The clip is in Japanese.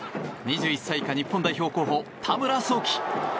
２１歳以下日本代表候補田村蒼生。